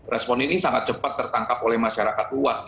respon ini sangat cepat tertangkap oleh masyarakat luas